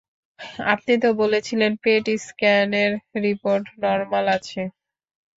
আপনি তো বলেছিলেন পেট স্ক্যানের রিপোর্ট নরমাল আছে।